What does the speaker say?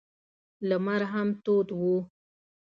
لمر هم تود و.